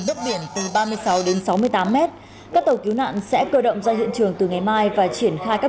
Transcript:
nước biển từ ba mươi sáu đến sáu mươi tám mét các tàu cứu nạn sẽ cơ động ra hiện trường từ ngày mai và triển khai các